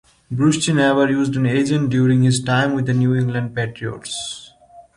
Bruschi never used an agent during his time with the New England Patriots.